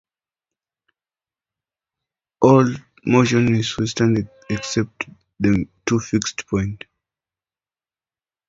All motion is westward, except for the two fixed points.